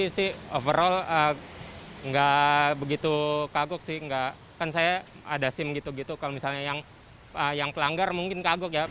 saya ada sim gitu gitu kalau misalnya yang pelanggar mungkin kagok ya